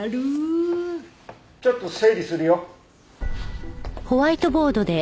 ちょっと整理するよ。